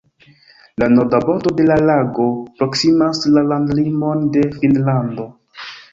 La norda bordo de la lago proksimas la landlimon de Finnlando.